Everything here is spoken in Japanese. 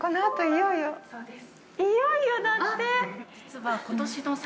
◆いよいよだって！